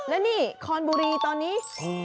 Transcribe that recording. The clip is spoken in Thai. และนี่คอนบุรีตอนนี้